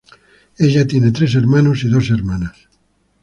Ella tiene tres hermanos y dos hermanas.